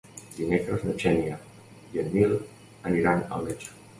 Dimecres na Xènia i en Nil aniran al metge.